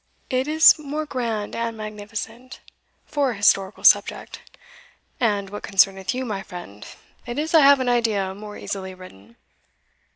it is more grand and magnificent for an historical subject; and, what concerneth you, my friend, it is, I have an idea, more easily written."